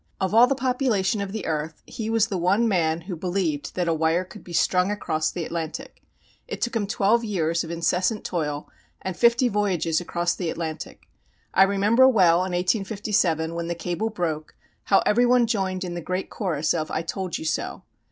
Of all the population of the earth he was the one man who believed that a wire could be strung across the Atlantic. It took him twelve years of incessant toil and fifty voyages across the Atlantic. I remember well, in 1857, when the cable broke, how everyone joined in the great chorus of "I told you so."